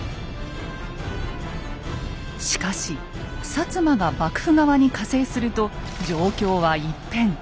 しかし摩が幕府側に加勢すると状況は一変。